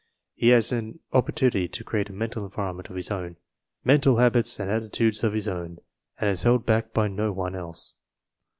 He has an opportunity to create a mental environment of his own, mental hab its and attitudes of his own, and is held back by no one else.